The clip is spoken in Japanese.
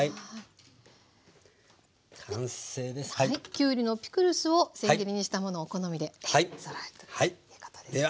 きゅうりのピクルスをせん切りにしたものをお好みで添えるということですね。